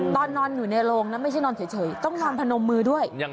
ตอนนอนอยู่ในโรงนะไม่ใช่นอนเฉยต้องนอนพนมมือด้วย